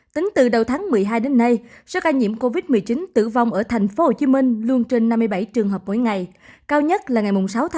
tính từ đầu tháng một mươi hai đến nay số ca nhiễm covid một mươi chín tử vong ở thành phố hồ chí minh luôn trên năm mươi bảy trường hợp mỗi ngày cao nhất là ngày sáu tháng một mươi hai với chín mươi bốn ca